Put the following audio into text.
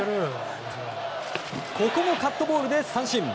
ここもカットボールで三振。